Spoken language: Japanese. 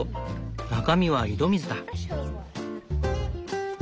中身は井戸水だ。